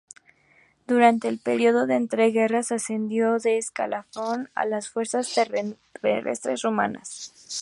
Durante el período de entre guerras, ascendió de escalafón en las Fuerzas Terrestres Rumanas.